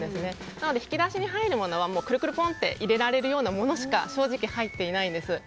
なので引き出しに入るものはクルクルポンって入れられるようなものしか正直入っていないんです。